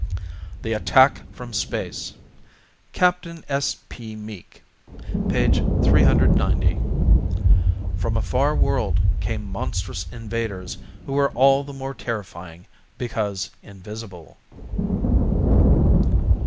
_ THE ATTACK FROM SPACE CAPTAIN S. P. MEEK 390 _From a Far World Came Monstrous Invaders Who Were All the More Terrifying Because Invisible.